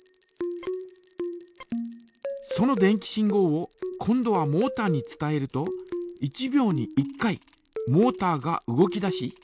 その電気信号を今度はモータに伝えると１秒に１回モータが動き出し。